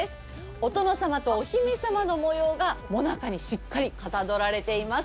お殿様とお姫様の模様がもなかにしっかりかたどられています。